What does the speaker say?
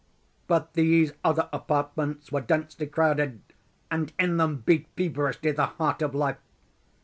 But these other apartments were densely crowded, and in them beat feverishly the heart of life.